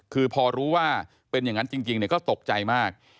คือพอรู้ว่าเป็นอย่างนั้นจริงก็ตกใจมาก